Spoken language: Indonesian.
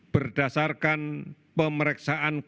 berdasarkan pemeriksaan kontrol